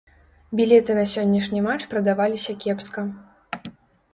Білеты на сённяшні матч прадаваліся кепска.